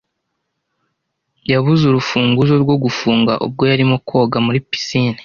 Yabuze urufunguzo rwo gufunga ubwo yari arimo koga muri pisine.